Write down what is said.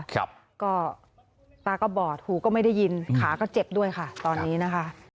ครับก็ตาก็บอดหูก็ไม่ได้ยินขาก็เจ็บด้วยค่ะตอนนี้นะคะ